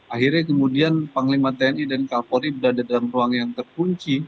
akhirnya kemudian panglima tni dan kapolri berada dalam ruang yang terkunci